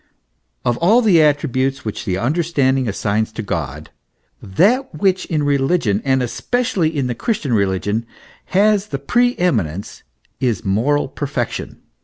Of all the attributes which the understanding assigns to God, that which in religion, and especially in the Christian religion, has the pre eminence, is moral perfection.